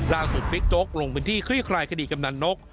ร่าสุดบิ๊กโจ๊กลงเป็นที่ครี่คลายคดีกำเนินก